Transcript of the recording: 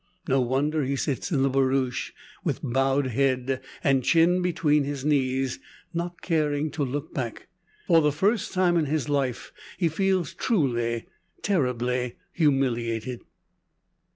No wonder he sits in the barouche, with bowed head, and chin between his knees, not caring to look back. For the first time in his life he feels truly, terribly humiliated.